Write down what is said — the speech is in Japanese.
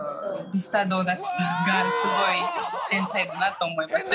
ミスタードーナツさんがすごい天才だなと思います。